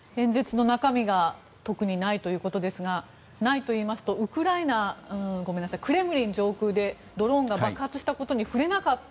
演説の中身が特にないということですがないといいますとクレムリン上空でドローンが爆発したことに触れなかった。